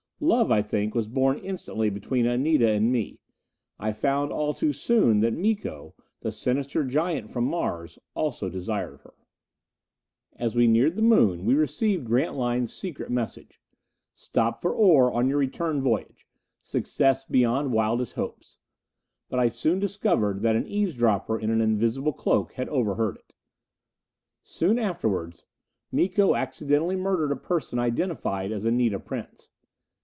Love, I think, was born instantly between Anita and me. I found all too soon that Miko, the sinister giant from Mars, also desired her. As we neared the Moon we received Grantline's secret message: "Stop for ore on your return voyage. Success beyond wildest hopes!" But I soon discovered that an eavesdropper in an invisible cloak had overheard it! Soon afterwards Miko accidentally murdered a person identified as Anita Prince.